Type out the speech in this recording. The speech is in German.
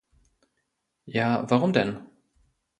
Ja, warum denn?